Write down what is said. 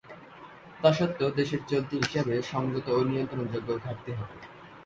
তা সত্ত্বেও দেশের চলতি হিসাবে সংযত ও নিয়ন্ত্রণযোগ্য ঘাটতি হবে।